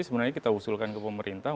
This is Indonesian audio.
sebenarnya kita usulkan ke pemerintah